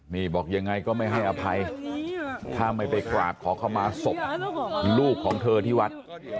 มีบอกยังไงก็ไม่ให้อภัยถ้ามันไปกรากขาวมาสบลูกของเธอที่วัด